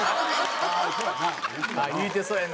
言うてそうやな。